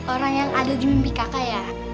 orang yang ada di mimpi kakak ya